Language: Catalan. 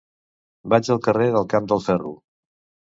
Vaig al carrer del Camp del Ferro.